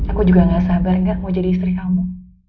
aku juga gak sabar nggak mau jadi istri kamu